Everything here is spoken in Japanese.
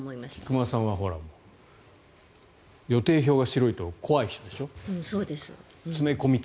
菊間さんは予定表が白いと怖い人でしょ。